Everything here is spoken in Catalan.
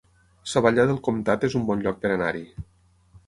Savallà del Comtat es un bon lloc per anar-hi